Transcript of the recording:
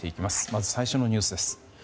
まず、最初のニュースです。